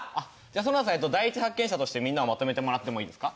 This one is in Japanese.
じゃあ園田さん第一発見者としてみんなをまとめてもらってもいいですか？